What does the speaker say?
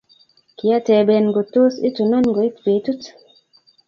Kiatebe ngo tos ituna ngoit petut